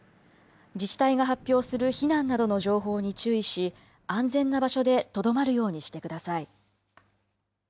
自治体が発表する避難などの情報に注意し安全な場所でとどまるようにしてください。